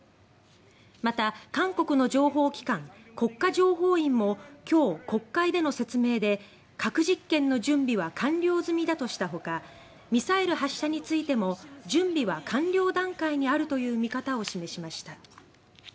また、韓国の情報機関国家情報院も今日、国会での説明で核実験の準備は完了済みだとしたほかミサイル発射についても準備は完了段階にあるとの見方を示しました。